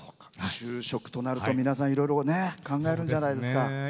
就職となると、皆さんいろいろ考えるんじゃないですか。